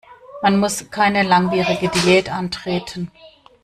Man muss keine langwierige Diät antreten.